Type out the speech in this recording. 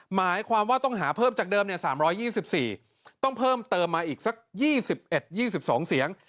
หมายความว่าต้องหาเพิ่มจากเดิม๓๒๔ต้องเพิ่มเติมมาอีกสัก๒๑๒๒เสียง